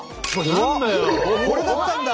これだったんだ！